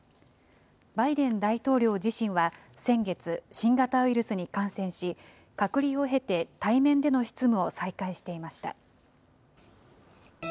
バイデン大統領自身は、先月、新型ウイルスに感染し、隔離を経て対面での執務を再開していました。